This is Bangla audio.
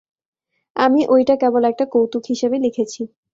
আমি ঐটা কেবল একটা কৌতুক হিসেবে লিখেছি।